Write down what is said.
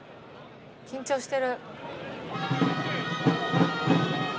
緊張してる。